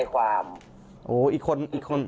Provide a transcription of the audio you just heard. เพราะว่ามีทีมนี้ก็ตีความกันไปเยอะเลยนะครับ